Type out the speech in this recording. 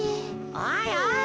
おいおい。